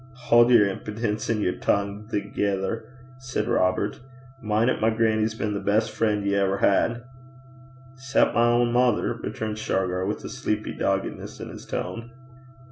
'Haud yer impidence, an' yer tongue thegither,' said Robert. 'Min' 'at my grannie's been the best frien' ye ever had.' ''Cep' my ain mither,' returned Shargar, with a sleepy doggedness in his tone.